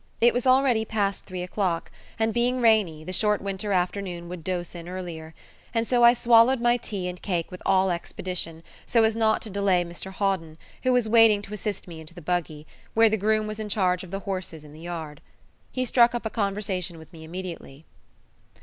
It was already past three o'clock, and, being rainy, the short winter afternoon would dose in earlier; so I swallowed my tea and cake with all expedition, so as not to delay Mr Hawden, who was waiting to assist me into the buggy, where the groom was in charge of the horses in the yard. He struck up a conversation with me immediately.